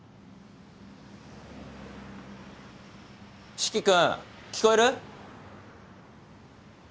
四鬼君聞こえる？